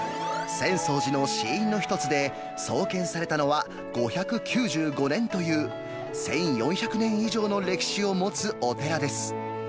浅草寺の支院の一つで、創建されたのは５９５年という、１４００年以上の歴史を持つお寺です。